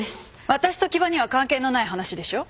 わたしと木場には関係のない話でしょう。